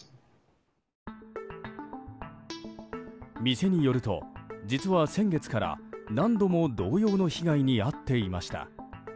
店によると実は先月から何度も同様の被害に遭っていました。